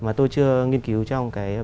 mà tôi chưa nghiên cứu trong cái bài báo của mình